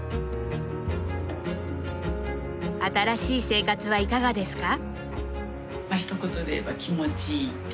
新しい生活はいかがですか？